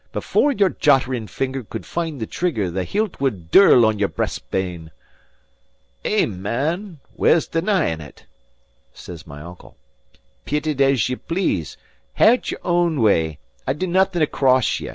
"Before your jottering finger could find the trigger, the hilt would dirl on your breast bane." "Eh, man, whae's denying it?" said my uncle. "Pit it as ye please, hae't your ain way; I'll do naething to cross ye.